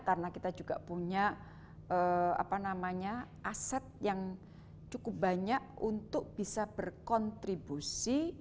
karena kita juga punya aset yang cukup banyak untuk bisa berkontribusi